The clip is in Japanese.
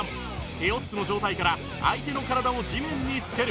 手四つの状態から相手の体を地面につける